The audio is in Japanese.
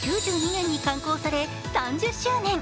１９９２年に刊行され３０周年。